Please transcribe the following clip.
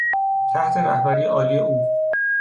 تحت رهبری عالی او